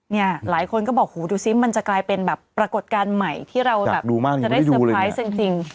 หลายคนก็บอกหูดูซิมันจะกลายเป็นแบบปรากฏการณ์ใหม่ที่เราแบบจะได้เซอร์ไพรส์จริง